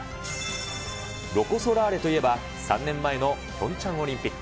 ロコ・ソラーレといえば、３年前のピョンチャンオリンピック。